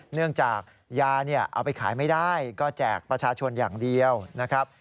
เนื่องจากยาเนี่ยเอาไปขายไม่ได้ก็แจกประชาชนอย่างเดียวนะครับ